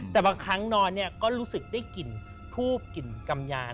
แต่บางครั้งนอนก็รู้สึกได้กลิ่นทูบกลิ่นกำยาน